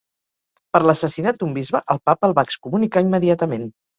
Per l'assassinat d'un bisbe el papa el va excomunicar immediatament.